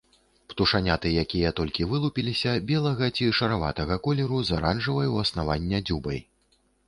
Птушаняты, якія толькі вылупіліся, белага ці шараватага колеру з аранжавай ў аснавання дзюбай.